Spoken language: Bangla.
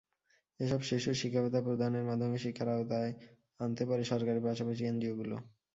এসব শিশুর শিক্ষাভাতা প্রদানের মধ্যমে শিক্ষার আওতায় আনতে পারে সরকারের পাশাপাশি এনজিওগুলো।